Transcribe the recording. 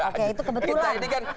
oke itu kebetulan